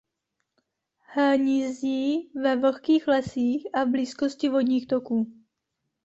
Hnízdí ve vlhkých lesích a v blízkosti vodních toků.